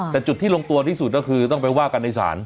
แต่จุดที่ลงตัวที่สุดก็คือต้องไปว่ากันในศาล